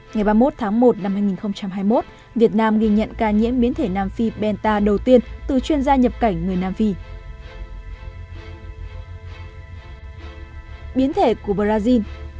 ngày ba mươi một tháng một năm hai nghìn hai mươi một việt nam ghi nhận ca nhiễm biến thể nam phi benta đầu tiên từ chuyên gia nhập cảnh người nam phi